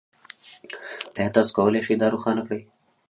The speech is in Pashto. ایا تاسو کولی شئ دا روښانه کړئ؟